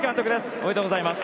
おめでとうございます。